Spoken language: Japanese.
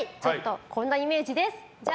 こんなイメージです。